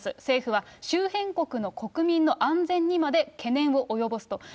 政府は周辺国の国民の安全にまで懸念を及ぼすと。